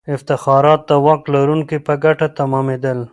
افتخارات د واک لرونکو په ګټه تمامېدل.